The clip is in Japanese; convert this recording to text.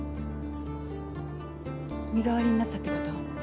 身代わりになったってこと？